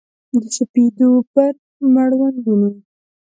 د سپېدو پر مړوندونو